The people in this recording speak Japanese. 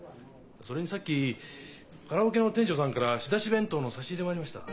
それにさっきカラオケの店長さんから仕出し弁当の差し入れもありました。